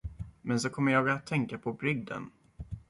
Men så kom jag att tänka på brygden.